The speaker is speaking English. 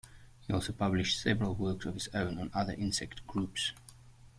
He also published several works of his own on other insect groups.